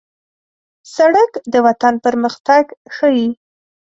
سړک د وطن پرمختګ ښيي.